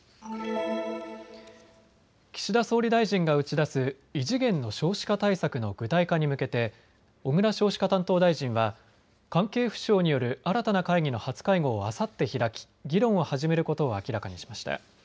岸田総理大臣が打ち出す異次元の少子化対策の具体化に向けて、小倉少子化担当大臣は関係府省による新たな会議の初会合をあさって開き議論を始めることを明らかにしました。